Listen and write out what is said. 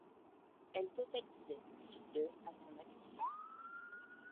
Elle totalisait plus de à son actif.